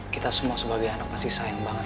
kita semua sebagai anak pasti sayang banget